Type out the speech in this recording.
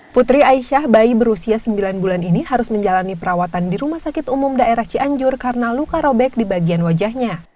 putri aisyah bayi berusia sembilan bulan ini harus menjalani perawatan di rumah sakit umum daerah cianjur karena luka robek di bagian wajahnya